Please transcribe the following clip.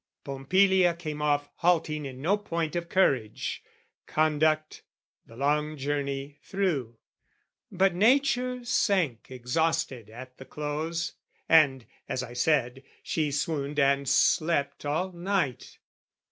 Pompilia came off halting in no point Of courage, conduct, the long journey through: But nature sank exhausted at the close, And, as I said, she swooned and slept all night.